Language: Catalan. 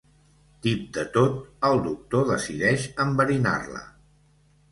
Tip de tot, el doctor decideix enverinar-la.